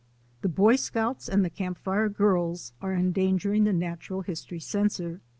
The Boy Scouts and the Campfire Girls are endangering the natural history censor.